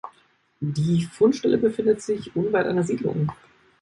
Die Fundstelle befindet sich unweit einer Siedlung.